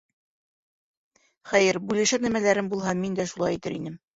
Хәйер, бүлешер нәмәләрем булһа, мин дә шулай итер инем.